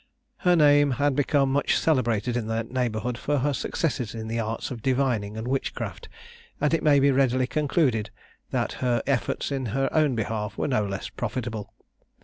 Her name had become much celebrated in the neighbourhood for her successes in the arts of divining and witchcraft, and it may be readily concluded that her efforts in her own behalf were no less profitable.